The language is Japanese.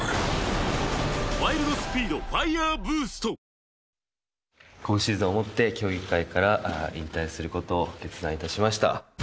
石川選手は今月１８日に引退今シーズンをもって、競技会から引退することを決断いたしました。